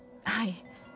はい。